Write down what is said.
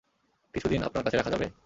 কিছুদিন আপনার কাছে রাখা যাবে?